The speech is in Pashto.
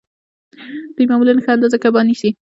دوی معمولاً ښه اندازه کبان نیسي